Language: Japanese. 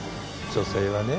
女性はね